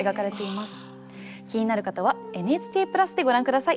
気になる方は「ＮＨＫプラス」でご覧下さい。